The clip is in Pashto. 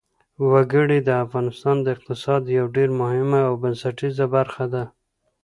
وګړي د افغانستان د اقتصاد یوه ډېره مهمه او بنسټیزه برخه ده.